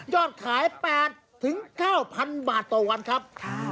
อดขาย๘๙๐๐บาทต่อวันครับ